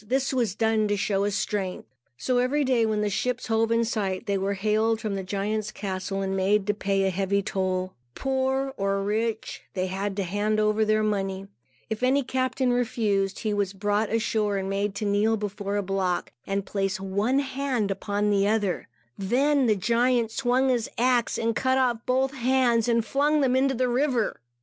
This was done to show his strength. So every day, when the ships hove in sight, they were hailed from the giant's castle and made to pay heavy toll. Poor or rich, they had to hand over their money. If any captain refused, he was brought ashore and made to kneel before a block and place one hand upon the other. Then the giant swung his axe and cut off both hands, and flung them into the river.